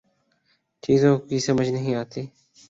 چیزوں کی سمجھ نہیں آتی